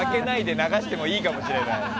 流してもいいかもしれない。